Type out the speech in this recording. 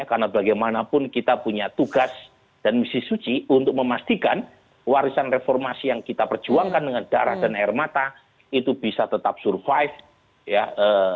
karena bagaimanapun kita punya tugas dan misi suci untuk memastikan warisan reformasi yang kita perjuangkan dengan darah dan air mata itu bisa tetap survive